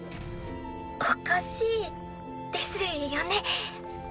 おかしいですよね。